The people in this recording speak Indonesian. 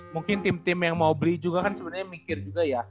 mungkin tim tim yang mau beli juga kan sebenarnya mikir juga ya